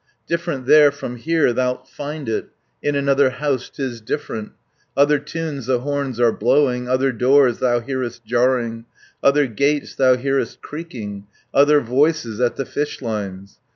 Different there from here thou'lt find it In another house 'tis different; 100 Other tunes the horns are blowing, Other doors thou hearest jarring, Other gates thou hearest creaking, Other voices at the fishlines.